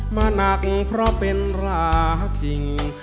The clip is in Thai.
มาหนักเพราะเป็นรักจริง